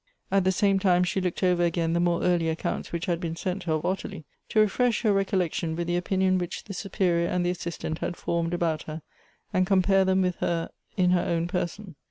At the same time she looked over again the more early accounts which had been sent her of Ottilie, to refresh her recollection with the opinion which the Superior and the Assistant had formed about her, and compare them with her in her own person.